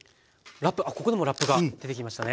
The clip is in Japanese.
ここでもラップが出てきましたね。